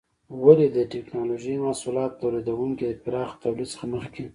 ولې د ټېکنالوجۍ محصولاتو تولیدونکي د پراخه تولید څخه مخکې؟